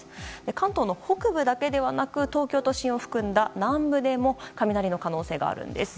関東の北部だけではなく東京都心を含んだ南部でも雷の可能性があるんです。